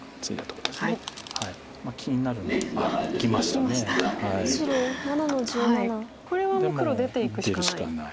これはもう黒出ていくしかない。